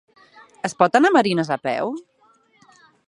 Es pot anar a Marines a peu?